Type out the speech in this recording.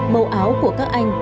màu áo của các anh